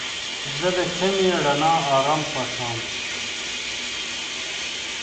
زه د کمې رڼا آرام خوښوم.